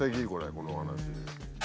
このお話。